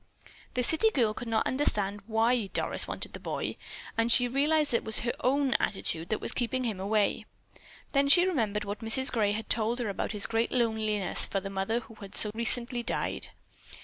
The city girl could not understand why Doris wanted the boy, and she realized that it was her own attitude that was keeping him away. Then she remembered what Mrs. Gray had told her about his great loneliness for the mother who had so recently died.